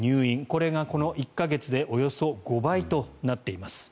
これがこの１か月でおよそ５倍となっています。